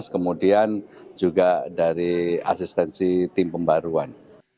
kemudian juga dari asistensi tim pembaruan